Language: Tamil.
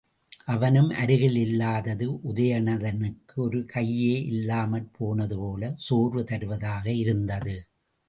அவனும் அருகில் இல்லாதது உதயணனுக்கு ஒரு கையே இல்லாமற் போனதுபோலச் சோர்வு தருவதாக இருந்தது.